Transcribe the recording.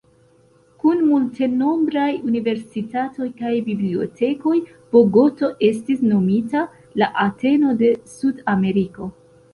Kun multenombraj universitatoj kaj bibliotekoj, Bogoto estis nomita "La Ateno de Sudameriko".